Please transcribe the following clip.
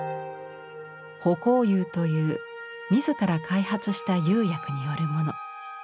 「葆光釉」という自ら開発した釉薬によるもの。